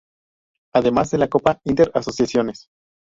Además de la Copa Inter Asociaciones.